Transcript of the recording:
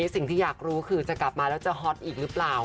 สิ่งที่อยากรู้คือจะกลับมาแล้วจะฮอตอีกหรือเปล่า